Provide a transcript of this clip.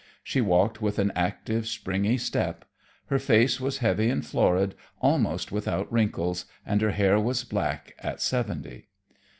She walked with an active, springy step. Her face was heavy and florid, almost without wrinkles, and her hair was black at seventy.